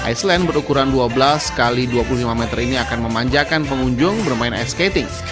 iceland berukuran dua belas x dua puluh lima meter ini akan memanjakan pengunjung bermain ice skating